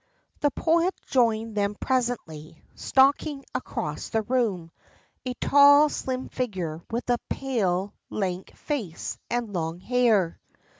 The poet joined them presently, stalking across the room, a tall, slim figure, with a pale, lank face and long hair.